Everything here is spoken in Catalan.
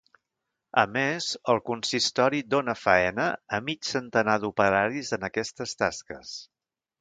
A més, el consistori dona faena a mig centenar d’operaris en aquestes tasques.